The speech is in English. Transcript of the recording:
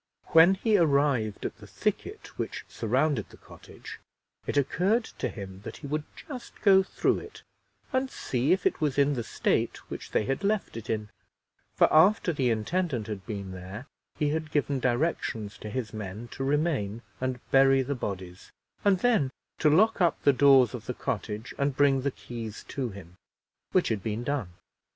When he arrived at the thicket which surrounded the cottage, it occurred to him that he would just go through it and see if it was in the state which they had left it in; for after the intendant had been there, he had given directions to his men to remain and bury the bodies, and then to lock up the doors of the cottage, and bring the keys to him, which had been done.